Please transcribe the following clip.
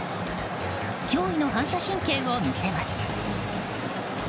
驚異の反射神経を見せます。